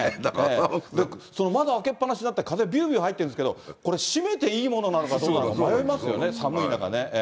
その窓開けっぱなしになって、風びゅーびゅー入ってるんだけど、これ、閉めていいものなのかどうなのか迷いますよね、寒い中ね。